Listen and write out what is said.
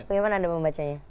bagaimana anda membacanya